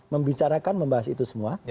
membicarakan membahas itu semua